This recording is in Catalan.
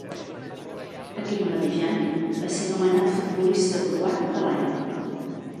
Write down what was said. Aquell mateix any, va ser anomenat Futbolista croat de l'any.